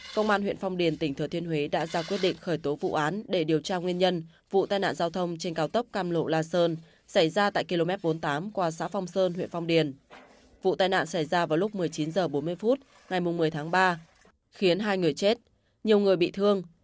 khiến hai người chết nhiều người bị thương